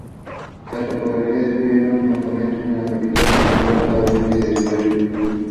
He enslaved three black people on his farm.